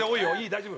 大丈夫？